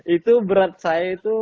itu berat saya itu